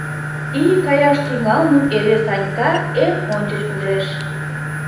Ий каяш тӱҥалмым эре Санька эн ончыч ужеш!